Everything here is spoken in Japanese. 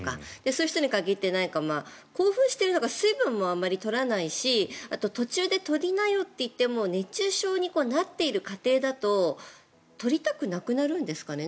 そういう人に限って興奮しているのか水分もあまり取らないしあと、途中で取りなよといっても熱中症になってる過程だと取りたくなくなるんですかね？